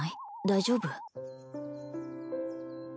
大丈夫？